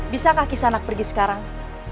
bisa kaki sanak pergi sekarang